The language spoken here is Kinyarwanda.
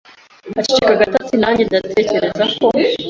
Aceceka gato ati: "Nanjye ndatekereza ko."